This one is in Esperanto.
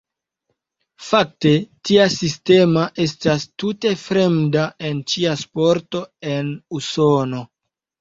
Fakte, tia sistema estas tute fremda en ĉia sporto en Usono.